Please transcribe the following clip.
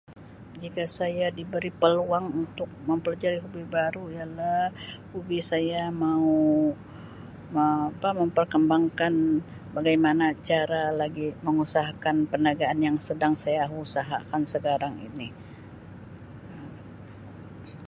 Jika saya diberi peluang untuk mempelajari hobi baru ialah hobi saya mau Um apa memperkembangkan bagaimana cara lagi mengusahakan perniagaan yang sedang saya usahakan sekarang ini.